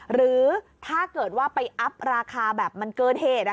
หรือถ้าเกิดว่าไปอัพราคาแบบมันเกินเหตุ